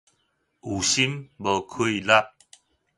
有心，無氣力